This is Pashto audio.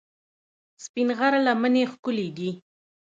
سپین غر لمنې ښکلې دي؟